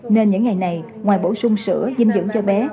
nên những ngày này ngoài bổ sung sữa dinh dưỡng cho bé